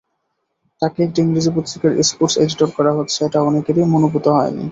তাঁকে একটি ইংরেজি পত্রিকার স্পোর্টস এডিটর করা হচ্ছে, এটা অনেকেরই মনঃপূত হয়নি।